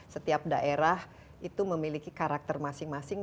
setiap daerah itu memiliki karakter masing masing